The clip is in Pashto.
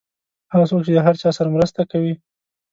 هغه څوک چې د هر چا سره مرسته کوي.